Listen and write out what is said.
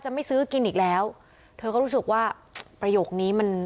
ไม่ซื้อกินอีกแล้วเธอก็รู้สึกว่าประโยคนี้มัน